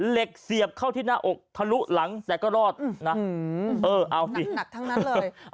เสียบเข้าที่หน้าอกทะลุหลังแต่ก็รอดนะเออเอาสิหนักทั้งนั้นเลย